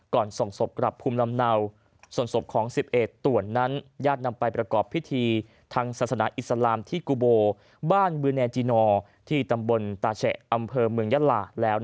ส่งศพกลับภูมิลำเนาส่วนศพของ๑๑ต่วนนั้นญาตินำไปประกอบพิธีทางศาสนาอิสลามที่กุโบบ้านบือแนจินอร์ที่ตำบลตาแฉะอำเภอเมืองยะลาแล้ว